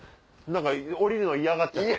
何か降りるの嫌がっちゃって。